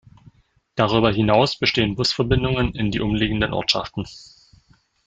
Darüber hinaus bestehen Busverbindungen in die umliegenden Ortschaften.